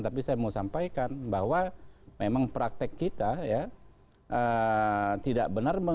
tapi saya mau sampaikan bahwa memang praktek kita ya